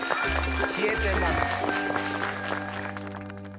冷えてます。